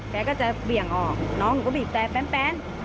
แกก็จะเบี่ยงออกน้องหนูก็บีบแต่แป๊น